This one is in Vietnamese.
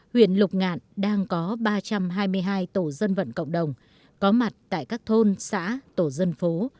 huyện lục ngạn đang có ba trăm hai mươi hai tổ dân vận cộng đồng có mặt tại các thôn xã tổ dân phố